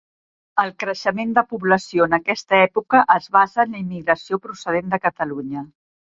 El creixement de població en aquesta època es basa en la immigració procedent de Catalunya.